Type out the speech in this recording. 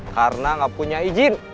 karena gak punya ijin